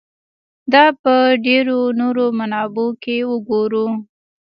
دا په ډېرو نورو منابعو کې وګورو.